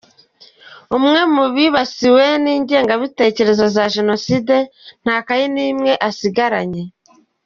Umwe mu bibasiwe n’ingengabitekerezo ya Jenoside nta kayi n’imwe asigaranye.